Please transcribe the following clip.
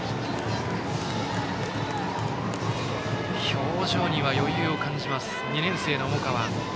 表情には余裕を感じる２年生、重川。